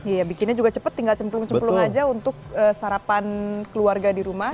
iya bikinnya juga cepet tinggal cemplung cemplung aja untuk sarapan keluarga di rumah